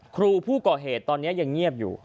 ครูผู้ก่อเหตุตอนนี้ยังเงียบอยู่